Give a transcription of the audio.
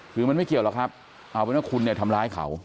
คือมันไม่เกี่ยวหรอกครับเอาเป็นว่าคุณเนี่ยทำร้ายเขา